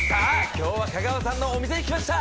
今日は香川さんのお店に来ました